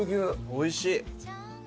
おいしい。